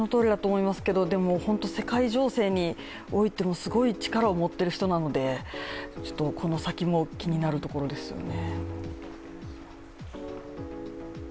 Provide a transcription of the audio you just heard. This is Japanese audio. でも、世界情勢においてもすごい力を持っている人なので、この先も気になるところですよね。